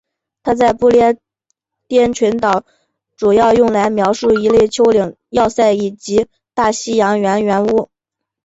它在不列颠群岛主要用来描述一类丘陵要塞以及大西洋圆屋。